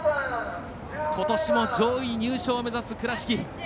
ことしも上位入賞を目指す倉敷。